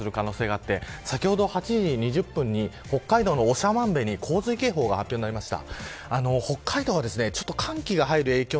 夏のような降り方をする可能性があって先ほど８時２０分に北海道の長万部に洪水警報が発表されました。